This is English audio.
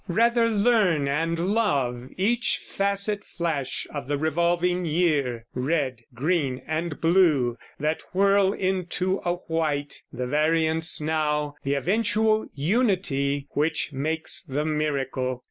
Rather learn and love Each facet flash of the revolving year! Red, green, and blue that whirl into a white, The variance now, the eventual unity, Which make the miracle.